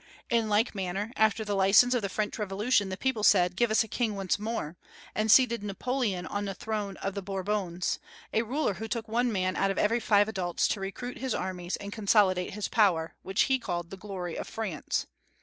In like manner, after the license of the French Revolution the people said, "Give us a king once more!" and seated Napoleon on the throne of the Bourbons, a ruler who took one man out of every five adults to recruit his armies and consolidate his power, which he called the glory of France.